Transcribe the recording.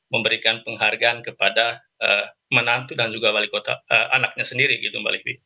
memberikan penghargaan kepada menantu dan juga wali kota anaknya sendiri gitu mbak livi